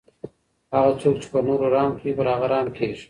هغه څوک چې پر نورو رحم کوي پر هغه رحم کیږي.